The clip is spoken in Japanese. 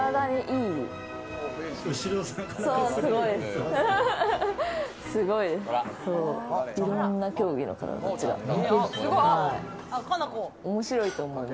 いろんな競技の方たちが。